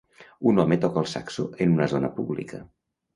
Un home toca el saxo en una zona pública.